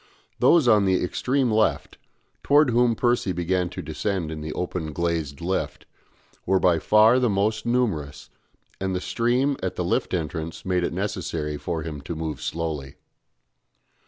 Those on the extreme left, towards whom Percy began to descend in the open glazed lift, were by far the most numerous, and the stream at the lift entrance made it necessary for him to move slowly.